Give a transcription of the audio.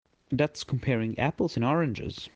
That's comparing apples and oranges.